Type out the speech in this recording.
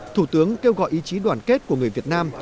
thủ tướng kêu gọi ý chí đoàn kết của người việt nam